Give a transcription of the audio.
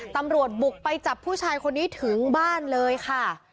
ตำรวจบุกไปจับผู้ชายคนนี้ถึงบ้านเลยค่ะ